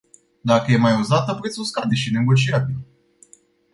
Dacă e mai uzată, prețul scade și e negociabil.